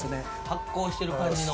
発酵してる感じの。